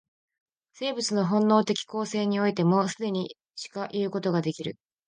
生物の本能的形成においても、既にしかいうことができる。